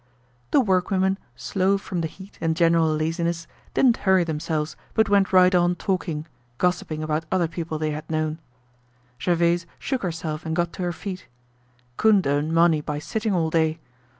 The workwomen, slow from the heat and general laziness, didn't hurry themselves, but went right on talking, gossiping about other people they had known. Gervaise shook herself and got to her feet. Couldn't earn money by sitting all day.